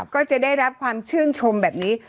ก็จะได้รับความชื่นชมแบบนี้